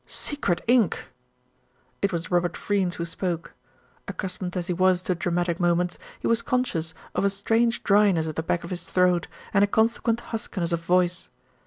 "Secret ink!" It was Robert Freynes who spoke. Accustomed as he was to dramatic moments, he was conscious of a strange dryness at the back of his throat, and a consequent huskiness of voice.